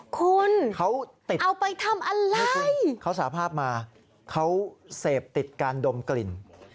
คุณเขาติดเอาไปทำอะไรเขาสาภาพมาเขาเสพติดการดมกลิ่น